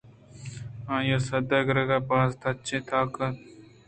آئی ءَ صید ءِ گِرگ ءَ باز تچ ءُ تاگ کُت